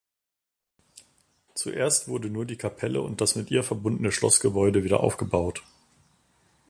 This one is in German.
Zuerst wurde nur die Kapelle und das mit ihr verbundene Schlossgebäude wieder aufgebaut.